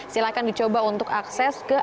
silahkan dicoba untuk akses ke